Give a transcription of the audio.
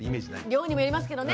量にもよりますけどね。